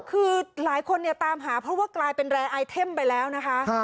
คือหลายคนเนี่ยตามหาเพราะว่ากลายเป็นแรร์ไอเทมไปแล้วนะคะ